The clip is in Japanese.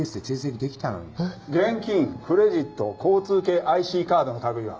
現金クレジット交通系ＩＣカードの類いは？